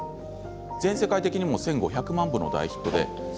全世界でも累計１５００万部の大ヒット。